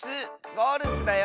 ゴルスだよ！